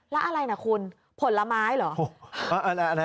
แล้วอะไรนะคุณผลไม้เหรอ